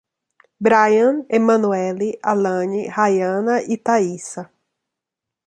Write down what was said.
Bryan, Emanueli, Alane, Raiana e Taíssa